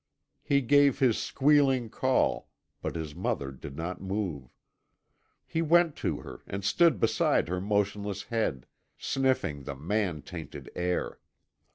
He gave his squealing call, but his mother did not move. He went to her and stood beside her motionless head, sniffing the man tainted air.